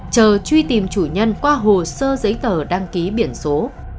chờ truy tìm chủ nhân qua hồ sơ giấy tờ đăng ký biển số